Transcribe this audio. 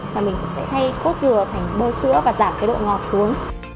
và mình sẽ thay cốt dừa thành bơ sữa và giảm cái độ ngọt xuống